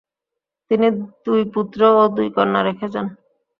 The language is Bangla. তিনি দুই পুত্র ও দুই কন্যা রেখে যান।